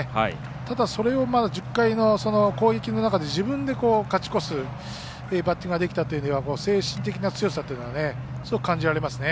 ただ、それを１０回の攻撃の中で自分で勝ち越すバッティングができたというのは精神的な強さっていうのはすごく感じられますね。